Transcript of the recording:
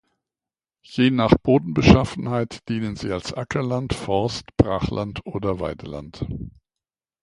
Je nach Bodenbeschaffenheit dienen sie als Ackerland, Forst, Brachland oder Weideland.